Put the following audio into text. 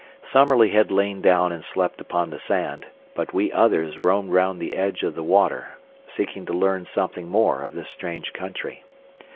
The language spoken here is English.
Summerlee had lain down and slept upon the sand, but we others roamed round the edge of the water, seeking to learn something more of this strange country.